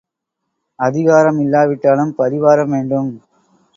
அதிகாரம் இல்லாவிட்டாலும் பரிவாரம் வேண்டும்.